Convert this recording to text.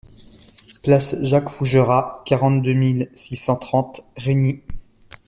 Place Jacques Fougerat, quarante-deux mille six cent trente Régny